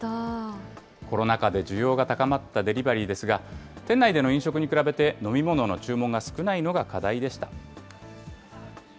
コロナ禍で需要が高まったデリバリーですが、店内での飲食に比べて、飲み物の注文が少ないのが課題でした。